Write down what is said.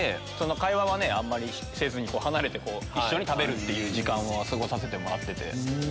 会話はあまりせずに離れて一緒に食べる時間を過ごさせてもらってて。